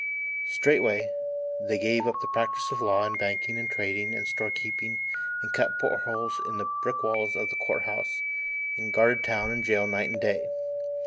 Straightway, they gave up the practice of law and banking and trading and store keeping and cut port holes in the brick walls of the Court House and guarded town and jail night and day.